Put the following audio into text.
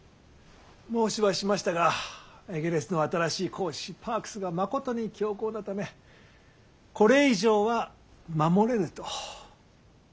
申しはしましたがエゲレスの新しい公使パークスがまことに強硬なためこれ以上は守れぬと。